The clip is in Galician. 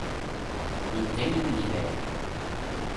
Non teño nin idea.